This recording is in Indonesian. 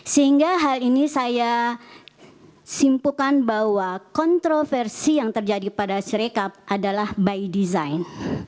sehingga hal ini saya simpulkan bahwa kontroversi yang terjadi pada sirekap adalah by design